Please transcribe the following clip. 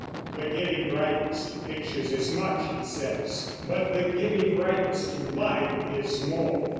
"The giving brightness to pictures is much," he says, "but the giving brightness to life is more."